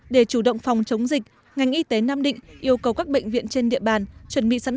để chủ động phòng chống dịch ngành y tế nam định yêu cầu các bệnh viện trên địa bàn chuẩn bị sẵn